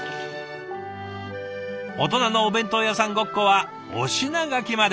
「大人のお弁当屋さん“ごっこ”」はお品書きまで。